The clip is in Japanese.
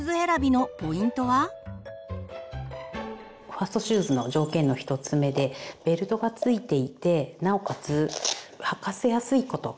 ファーストシューズの条件の１つ目でベルトがついていてなおかつ履かせやすいこと。